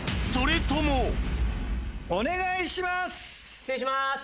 それともお願いします！